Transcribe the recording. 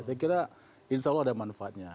saya kira insya allah ada manfaatnya